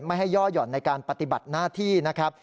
ไม่ให้ย่อหย่อนในการปฏิบัติหน้าที่นะครับ